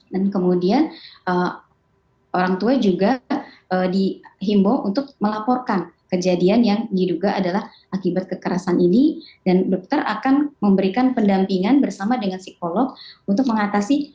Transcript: dan kemudian orang tua juga dihimbau untuk melaporkan kejadian yang diduga adalah akibat kekerasan ini dan dokter akan memberikan pendampingan bersama dengan psikolog untuk mengatasi keadaan